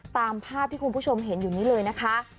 ตามภาพที่คุณผู้ชมเห็นอยู่นี้เลยนะคะ